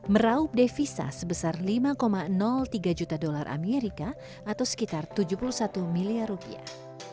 meraup devisa sebesar lima tiga juta dolar amerika atau sekitar tujuh puluh satu miliar rupiah